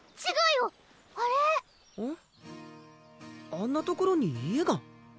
あんな所に家が。